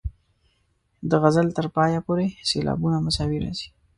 د غزل تر پایه پورې سېلابونه مساوي راځي.